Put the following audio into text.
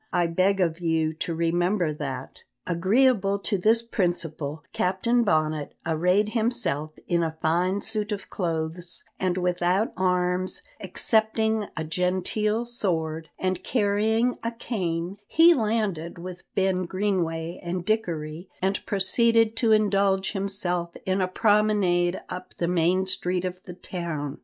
I beg of you to remember that." Agreeable to this principle, Captain Bonnet arrayed himself in a fine suit of clothes, and without arms, excepting a genteel sword, and carrying a cane, he landed with Ben Greenway and Dickory, and proceeded to indulge himself in a promenade up the main street of the town.